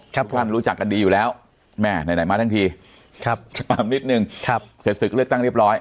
ท่านรู้จักกันดีอยู่แล้วแม่ไหนมาทั้งทีความนิดนึงเสร็จศึกเลือกตั้งเรียบร้อย